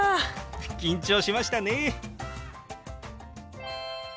緊張しましたね。